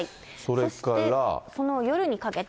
そして、その夜にかけて。